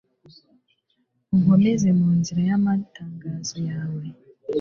Unkomeze mu nzira y’amatangazo yawe